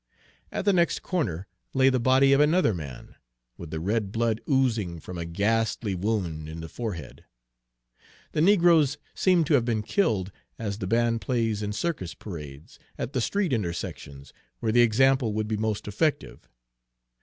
At the next corner lay the body of another man, with the red blood oozing from a ghastly wound in the forehead. The negroes seemed to have been killed, as the band plays in circus parades, at the street intersections, where the example would be most effective.